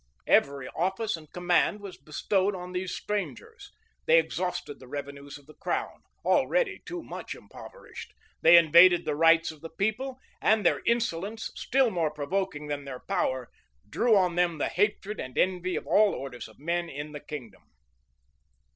[*] Every office and command was bestowed on these strangers; they exhausted the revenues of the crown, already too much impoverished;[] they invaded the rights of the people; and their insolence, still more provoking than their power, drew on them the hatred and envy of all orders of men in the kingdom.